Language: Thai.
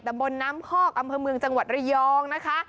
บนน้ำคอกอำเภอเมืองจังหวัดระยองนะคะ